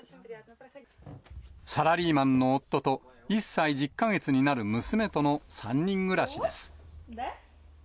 サラリーマンの夫と１歳１０か月になる娘との３人暮らしです。